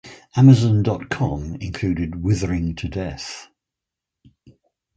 Amazon dot com included Withering to Death.